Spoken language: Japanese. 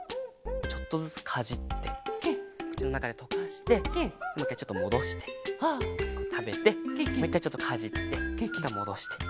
ちょっとずつかじってくちのなかでとかしてもういっかいちょっともどしてたべてもういっかいちょっとかじってまたもどして。